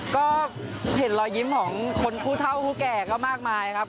ก็เห็นรอยยิ้มของคนผู้เท่าผู้แก่ก็มากมายครับ